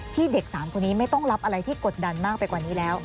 เด็ก๓คนนี้ไม่ต้องรับอะไรที่กดดันมากไปกว่านี้แล้ว